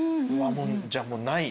じゃあもうない。